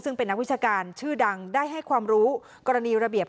ซึ่งเป็นนักวิชาการชื่อดังได้ให้ความรู้กรณีระเบียบ